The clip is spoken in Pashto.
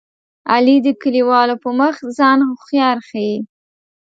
علي د کلیوالو په مخ ځان هوښیار ښيي.